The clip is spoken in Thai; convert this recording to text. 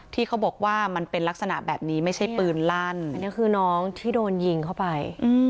ที่เขาบอกว่ามันเป็นลักษณะแบบนี้ไม่ใช่ปืนลั่นอันนี้คือน้องที่โดนยิงเข้าไป